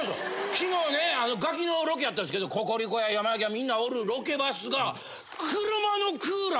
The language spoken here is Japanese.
昨日ね『ガキ』のロケやったんですけどココリコや山崎やみんなおるロケバスが。え！